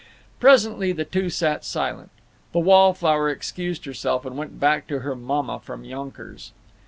Presently the two sat silent. The wallflower excused herself and went back to her mama from Yonkers.